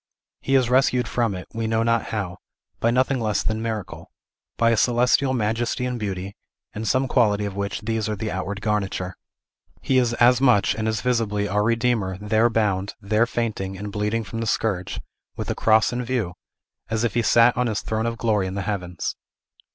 He is rescued from it, we know not how, by nothing less than miracle, by a celestial majesty and beauty, and some quality of which these are the outward garniture. He is as much, and as visibly, our Redeemer, there bound, there fainting, and bleeding from the scourge, with the cross in view, as if he sat on his throne of glory in the heavens!